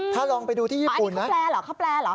ถ้าลองไปดูที่ญี่ปุ่นนะอันนี้ข้าวแปรหรอข้าวแปรหรอ